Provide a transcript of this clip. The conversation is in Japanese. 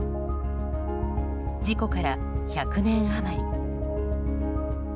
事故から１００年余り。